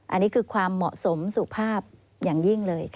อันนี้คือความเหมาะสมสุภาพอย่างยิ่งเลย